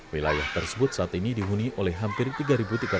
wilayah tersebut saat ini dihuni oleh hampir tiga tiga ratus jiwa penduduk lokal